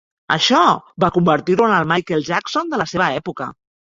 Això va convertir-lo en el Michael Jackson de la seva època.